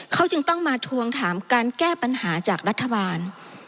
เขาจึงต้องมาทวงถามการแก้ปัญหาจากรัฐบาล